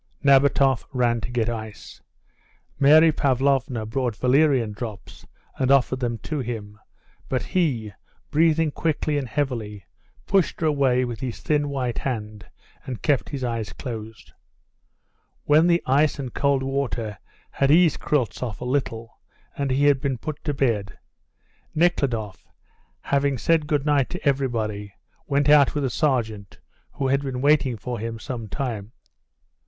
Nabatoff ran to get ice. Mary Pavlovna brought valerian drops and offered them to him, but he, breathing quickly and heavily, pushed her away with his thin, white hand, and kept his eyes closed. When the ice and cold water had eased Kryltzoff a little, and he had been put to bed, Nekhludoff, having said good night to everybody, went out with the sergeant, who had been waiting for him some time.